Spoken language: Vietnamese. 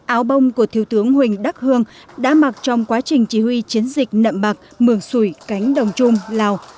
áo bông của thiếu tướng huỳnh đắc hương đã mặc trong quá trình chỉ huy chiến dịch nậm bạc mường sủi cánh đồng trung lào